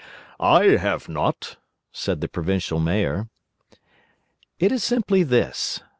"I have not," said the Provincial Mayor. "It is simply this.